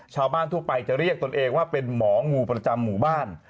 ชาวบ้านทั่วไปจะเรียกตนเองว่าเป็นหมองูประจำหมู่บ้าน